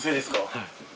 はい。